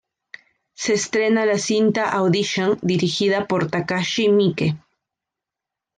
Se estrena la cinta Audition, dirigida por Takashi Miike.